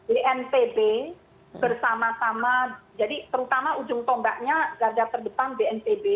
bnpb bersama sama jadi terutama ujung tombaknya garda terdepan bnpb